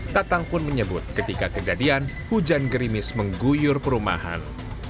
tatang pun menyebut ketika kejadian hujan gerimis mengguyur perumahan